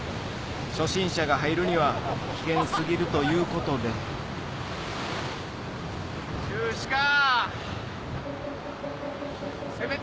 初心者が入るには危険過ぎるということで中止か。